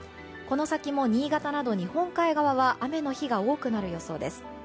この先も新潟など、日本海側は雨の日が多くなる予想です。